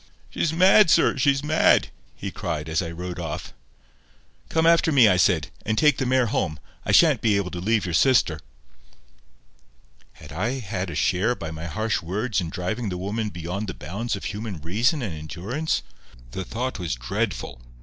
"She's mad, sir; she's mad," he cried, as I rode off. "Come after me," I said, "and take the mare home. I shan't be able to leave your sister." Had I had a share, by my harsh words, in driving the woman beyond the bounds of human reason and endurance? The thought was dreadful.